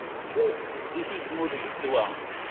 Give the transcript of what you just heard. Zzit n uzemmur, d ddwa.